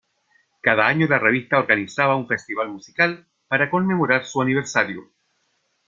Cada año la revista organizaba un festival musical, para conmemorar su aniversario.